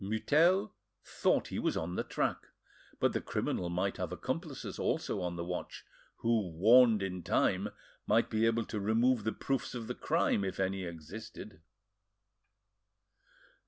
Mutel thought he was on the track, but the criminal might have accomplices also on the watch, who, warned in time, might be able to remove the proofs of the crime, if any existed.